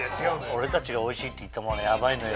俺たちがおいしいって言ったものはヤバいのよ。